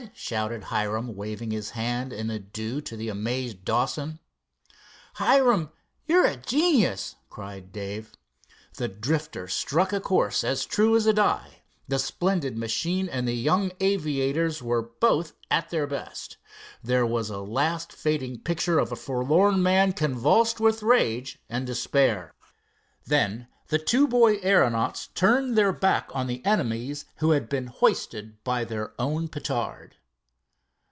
shouted Hiram, waving his hand in adieu to the amazed Dawson. "Hiram, you're a genius!" cried Dave. The Drifter struck a course as true as a die. The splendid machine and the young aviator were both at their best. There was a last fading picture of a forlorn man convulsed with rage and despair. Then the two boy aeronauts turned their back on the enemies who had been hoisted by their own petard.